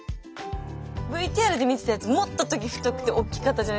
ＶＴＲで見てたやつもっとトゲ太くて大きかったじゃないですか。